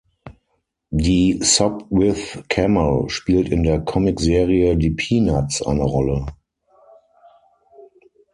Die Sopwith Camel spielt in der Comic-Serie Die Peanuts eine Rolle.